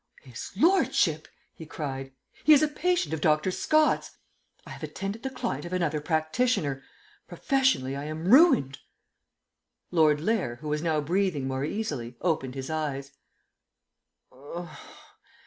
"His lordship!" he cried. "He is a patient of Dr. Scott's! I have attended the client of another practitioner! Professionally I am ruined!" Lord Lair, who was now breathing more easily, opened his eyes.